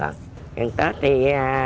mấy chục năm rồi đó